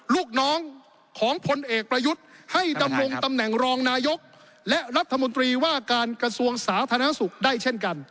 ลูกน้องของพลเอกประยุทธ์ให้ดำรงตำแหน่งรองนายกและรัฐมนตรีว่าการกระทรวงสาธารณสุขได้เช่นกัน